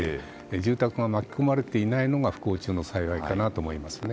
住宅が巻き込まれていないのが不幸中の幸いだと思いますね。